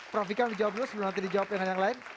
prof ikam dijawab dulu sebelum nanti dijawab dengan yang lain